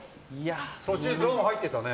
途中、ゾーン入ってたね。